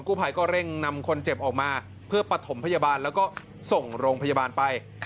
ผู้ภัยก็เร่งนำคนเจ็บออกมาเพื่อปฐมพยาบาลแล้วก็ส่งโรงพยาบาลไป